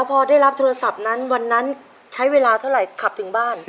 พอได้รับโทรศัพท์นั้นวันนั้นใช้เวลาเท่าไหร่ขับถึงบ้าน